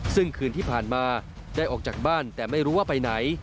ซึ่งคืนที่ผ่านมาได้ออกจากบ้านแต่ไม่รู้ว่าไปไหน